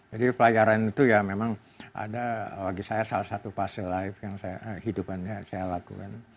jadi pelajaran itu ya memang ada bagi saya salah satu pasal hidupan yang saya lakukan